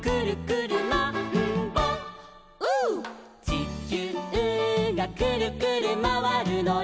「ちきゅうがくるくるまわるのに」